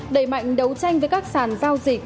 đầy mạnh đấu tranh với các sàn giao dịch